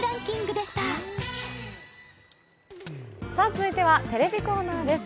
続いてはテレビコーナーです。